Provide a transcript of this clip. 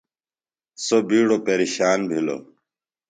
سوۡ بِیڈوۡ پیرشانہ بِھلوۡ۔